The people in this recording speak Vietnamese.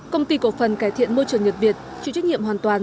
công ty cổ phần cải thiện môi trường nhật việt chịu trách nhiệm hoàn toàn